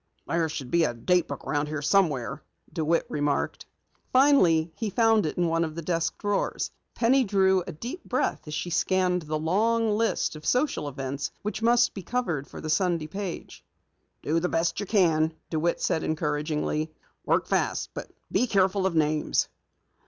"There should be a date book around here somewhere," DeWitt remarked. Finally he found it in one of the desk drawers. Penny drew a deep breath as she scanned the long list of social events which must be covered for the Sunday page. "Do the best you can," DeWitt said encouragingly. "Work fast, but be careful of names."